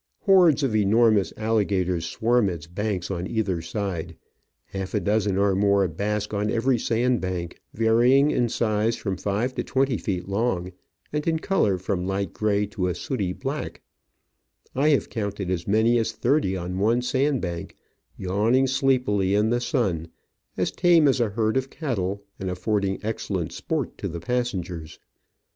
Hordes of enormous alli Digitized by VjOOQIC OF AN Orchid Hunter, 59 gators swarm its banks on either side; half a dozen or more bask on every sandbank, varying in size from five to twenty feet long, and in colour from light grey to a sooty black. I have counted as many as thirty on one sandbank, yawning sleepily in the sun, as tame as a herd of cattle, and afford ing excellent sport to the passengers.